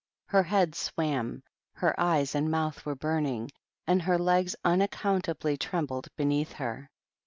Her head swam, her eyes and mouth were burning, and her legs unaccountably trembled beneath her.